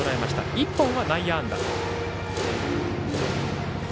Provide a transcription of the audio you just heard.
１本は内野安打。